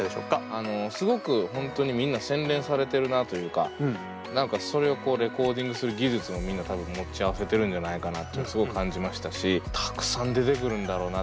あのすごく本当にみんな洗練されてるなというか何かそれをこうレコーディングする技術もみんな多分持ち合わせてるんじゃないかなとすごく感じましたしたくさん出てくるんだろうな。